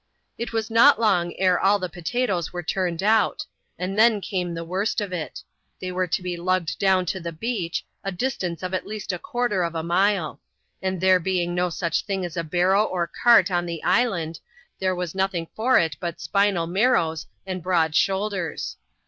It was not long ere all the potatoes were turned out ; and then came the worst of it : they were to be lugged down to the beach, a distance of at least a quarter of a mile. And there being no such thing as a barrow or cart on the island, there was nothing for it but spinal marrows and broad shoulders.